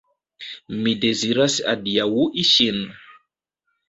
Mi deziras adiaŭi ŝin.